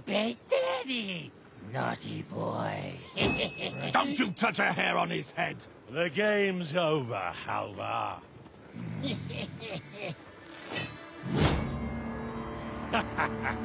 タハハハハ！